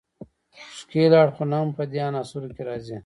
ښکیل اړخونه هم په دې عناصرو کې راځي.